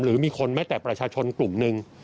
หรือมีคนแม้แต่ประชาชนกลุ่มหนึ่ง